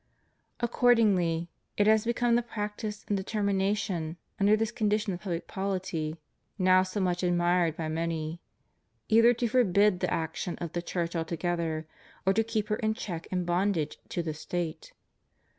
Accordingly, it has become the practice and deter mination under this condition of public polity (now so much admired by many) either to forbid the action of the Church altogether, or to keep her in check and bondage to the State.